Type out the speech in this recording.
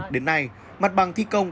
đến nay mặt bằng thi công